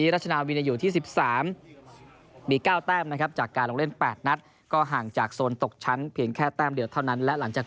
รัชนาวีอยู่ที่๑๓มี๙แต้มจากการลงเล่น๘นัด